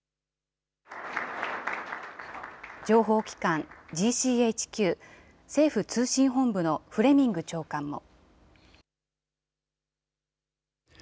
情報機関、ＧＣＨＱ・政府通信本部のフレミング長官も。